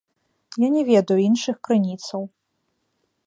Я не ведаю іншых крыніцаў.